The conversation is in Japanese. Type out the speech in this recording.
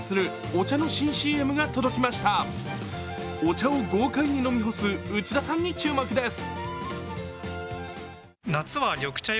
お茶を豪快に飲み干す内田さんに注目です。